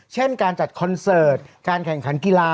เช่นการจัดคอนเสิร์ตการแข่งขันกีฬา